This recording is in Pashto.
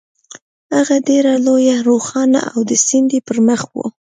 هغه ډېره لویه، روښانه او د سیند پر مخ وه.